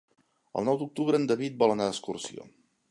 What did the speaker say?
El nou d'octubre en David vol anar d'excursió.